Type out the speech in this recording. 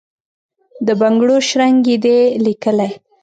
د بنګړو شرنګ یې دی لېکلی،